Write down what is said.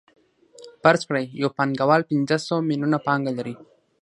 فرض کړئ یو پانګوال پنځه سوه میلیونه پانګه لري